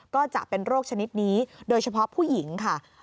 ก็จะเป็นโรคชนิดนี้โดยเฉพาะผู้หญิงค่ะ